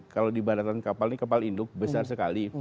kalau dibanakan kapal ini kapal induk besar sekali